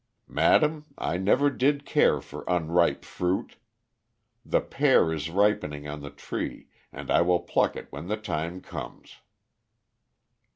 "Madam, I never did care for unripe fruit. The pear is ripening on the tree, and I will pluck it when the time comes."